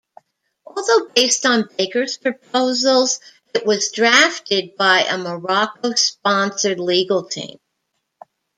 Although based on Baker's proposals, it was drafted by a Morocco-sponsored legal team.